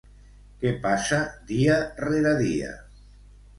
Què passa dia rere dia?